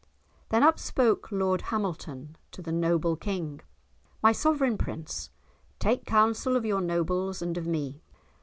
Then up spoke Lord Hamilton to the noble King, "my sovereign prince, take counsel of your nobles and of me.